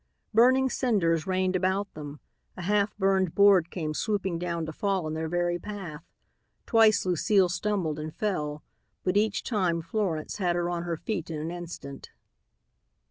Burning cinders rained about them, a half burned board came swooping down to fall in their very path. Twice Lucile stumbled and fell, but each time Florence had her on her feet in an instant.